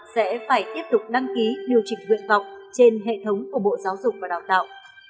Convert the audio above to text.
sẽ phải tiếp tục đăng ký điều chỉnh nguyện vọng trên hệ thống của bộ giáo dục và đào tạo